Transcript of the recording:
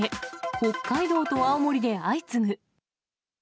北海道と青森で相次ぐ。